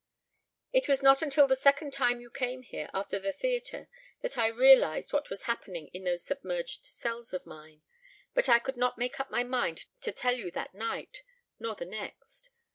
"It was not until the second time you came here after the theatre that I realized what was happening in those submerged cells of mine. But I could not make up my mind to tell you that night nor the next.